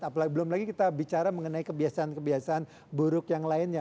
apalagi belum lagi kita bicara mengenai kebiasaan kebiasaan buruk yang lainnya